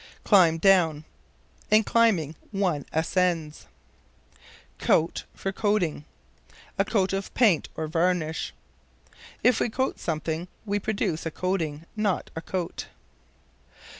Climb down. In climbing one ascends. Coat for Coating. "A coat of paint, or varnish." If we coat something we produce a coating, not a coat.